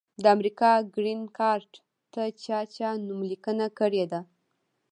د امریکا ګرین کارټ ته چا چا نوملیکنه کړي ده؟